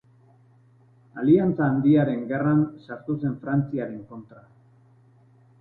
Aliantza Handiaren Gerran sartu zen Frantziaren kontra.